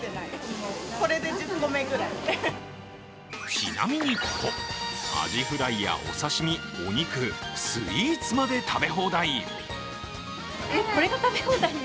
ちなみにここ、あじフライやお刺身、お肉、スイーツまで食べ放題。